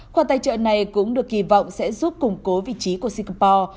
khoản tài trợ này cũng được kỳ vọng sẽ giúp củng cố vị trí của singapore